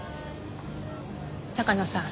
高野さん